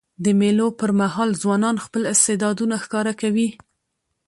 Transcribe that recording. د مېلو پر مهال ځوانان خپل استعدادونه ښکاره کوي.